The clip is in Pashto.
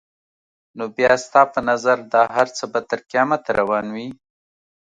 نو بیا ستا په نظر دا هر څه به تر قیامته روان وي؟